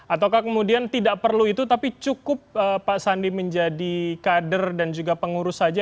ataukah kemudian tidak perlu itu tapi cukup pak sandi menjadi kader dan juga pengurus saja